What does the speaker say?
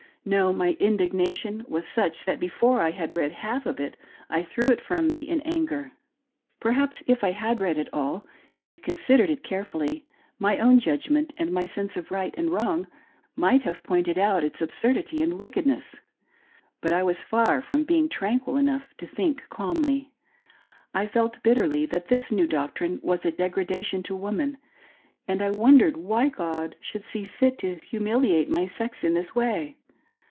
No ; my indignation was such that before I had read half of it I threw it from me in anger. Perhaps if I had read it all, and considered it carefully, my own judg ment and my sense of right and wrong might have pointed out its absurdity and wickedness. But I was far from being tranquil enough to think calmly. I felt bitterly that this new doctrine was a degradation to woman, and I wondered why God should see fit to humiliate my sex in this way.